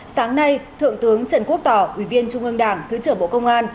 sáng nay thượng tướng trần quốc tỏ ủy viên trung ương đảng thứ trưởng bộ công an